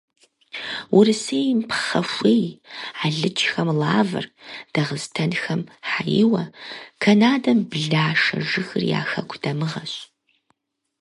Урысейм пхъэхуей, алыджхэм лавр, дагъыстэнхэм хьэиуэ, канадэм блашэ жыгыр я хэку дамыгъэщ.